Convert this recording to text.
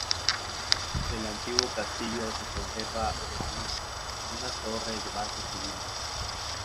Del antiguo castillo se conserva aún una torre de base cilíndrica.